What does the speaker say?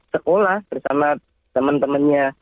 sekolah bersama teman temannya